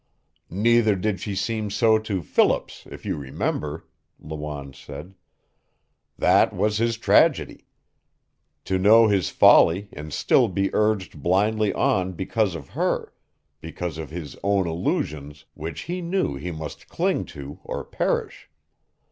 "Neither did she seem so to Phillips, if you remember," Lawanne said. "That was his tragedy to know his folly and still be urged blindly on because of her, because of his own illusions, which he knew he must cling to or perish.